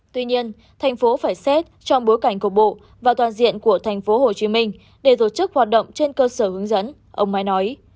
tuy nhiên thành phố phải xét trong bối cảnh cổng bộ và toàn diện của thành phố hồ chí minh để tổ chức hoạt động trên cơ sở hướng dẫn ông mai nói